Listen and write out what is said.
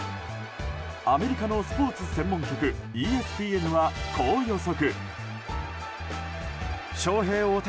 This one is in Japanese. アメリカのスポーツ専門局ＥＳＰＮは、こう予測。